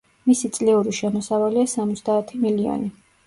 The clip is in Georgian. მისი წლიური შემოსავალია სამოცდაათი მილიონი.